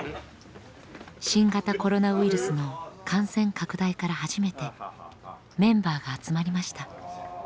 新型コロナウイルスの感染拡大から初めてメンバーが集まりました。